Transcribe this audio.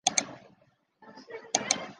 管理局设于台南园区。